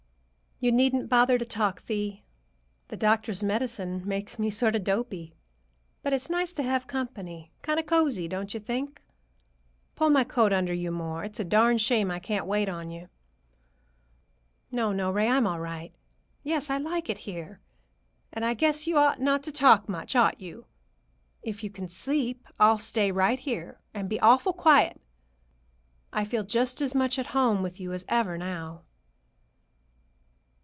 "You needn't bother to talk, Thee. The doctor's medicine makes me sort of dopey. But it's nice to have company. Kind of cozy, don't you think? Pull my coat under you more. It's a darned shame I can't wait on you." "No, no, Ray. I'm all right. Yes, I like it here. And I guess you ought not to talk much, ought you? If you can sleep, I'll stay right here, and be awful quiet. I feel just as much at home with you as ever, now."